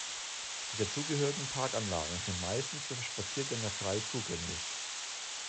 Die dazugehörigen Parkanlagen sind meistens für Spaziergänger frei zugänglich.